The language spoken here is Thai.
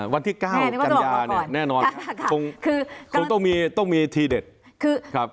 วันที่เก้าแน่นอนค่ะคือคงต้องมีต้องมีทีเด็ดคือครับ